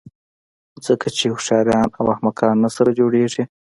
ځکه چې هوښیاران او احمقان نه سره جوړېږي.